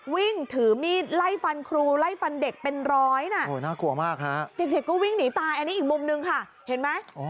วิ่งถือมีดไล่ฟันครูไล่ฟันเด็กเป็นร้อยน่ะโอ้น่ากลัวมากฮะเด็กก็วิ่งหนีตายอันนี้อีกมุมนึงค่ะเห็นไหม